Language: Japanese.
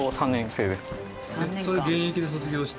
それ現役で卒業して？